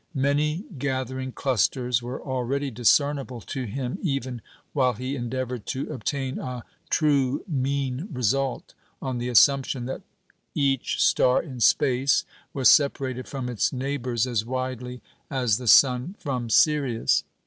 "Many gathering clusters" were already discernible to him even while he endeavoured to obtain a "true mean result" on the assumption that each star in space was separated from its neighbours as widely as the sun from Sirius.